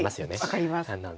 分かります。